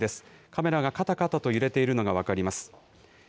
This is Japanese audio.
カメラがかたかたと揺れているのが分かります。